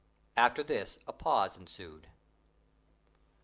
After this a pause ensued.